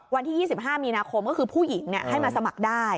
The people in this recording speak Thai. วันที่๒๕มีนาคมก็คือผู้หญิงให้มาสมัครได้